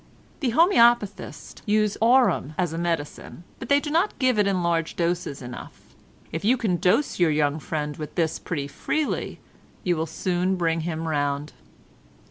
"The homoeopathists use aurum as a medicine, but they do not give it in large doses enough; if you can dose your young friend with this pretty freely you will soon bring him round.